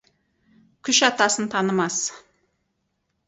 Күш атасын танымас.